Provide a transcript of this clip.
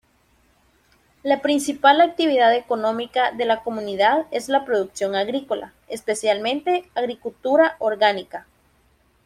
La principal actividad económica de la comunidad es la producción agrícola, especialmente agricultura orgánica.